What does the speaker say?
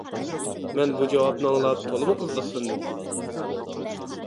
مەن بۇ جاۋابنى ئاڭلاپ تولىمۇ قىزىقسىندىم.